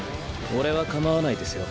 俺はかまわないですよ